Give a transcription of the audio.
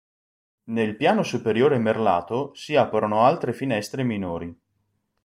Nel piano superiore merlato si aprono altre finestre minori.